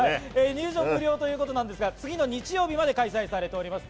入場無料ということなんですけど、次の日曜日まで開催されております。